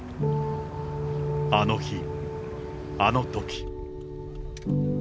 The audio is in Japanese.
あの日、あのとき。